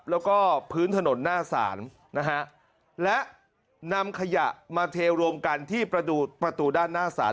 แล้วก็พื้นถนนหน้าศาลนะฮะและนำขยะมาเทรวมกันที่ประตูด้านหน้าศาล